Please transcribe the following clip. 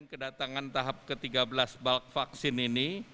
kedatangan tahap ke tiga belas vaksin ini